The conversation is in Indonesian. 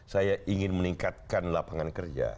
saya ingin meningkatkan lapangan kerja